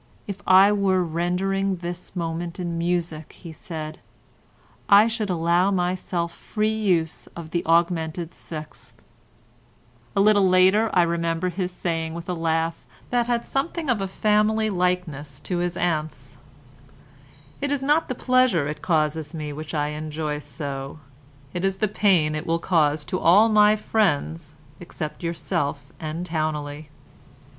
"If I were rendering this moment in music," he said, "I should allow myself free use of the augmented sixth." A little later I remember his saying with a laugh that had something of a family likeness to his aunt's: "It is not the pleasure it causes me which I enjoy so, it is the pain it will cause to all my friends except yourself and Towneley."